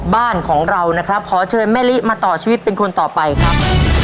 บ้านของเรานะครับขอเชิญแม่ลิมาต่อชีวิตเป็นคนต่อไปครับ